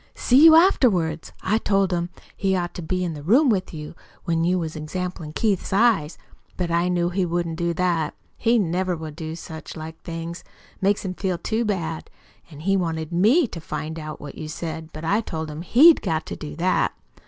"See you afterwards. I told him he'd ought to be in the room with you, when you was examplin' Keith's eyes. But I knew he wouldn't do that. He never will do such like things makes him feel too bad. An' he wanted ME to find out what you said. But I told him HE'D got to do that.